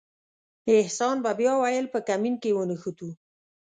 احسان به بیا ویل په کمین کې ونښتو.